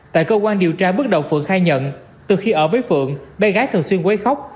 tại cơ quan điều tra bước đầu phượng khai nhận từ khi ở với phượng bé gái thường xuyên quấy khóc